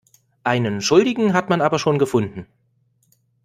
Einen Schuldigen hat man aber schon gefunden.